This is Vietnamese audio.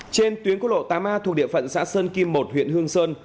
trên tuyến quốc lộ tám a thuộc địa phận xã sơn kim một huyện hương sơn